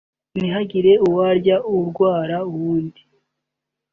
ntihagire uwurya urwara uwundi